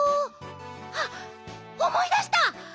あっおもいだした！